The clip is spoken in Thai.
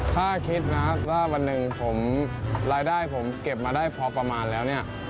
ถ้าคิดนะว่าวันหนึ่งผมรายได้ผมเก็บมาได้พอประมาณแล้วเนี่ย